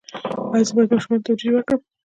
ایا زه باید ماشوم ته وریجې ورکړم؟